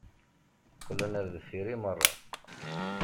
Qqlen ar deffir i meṛṛa.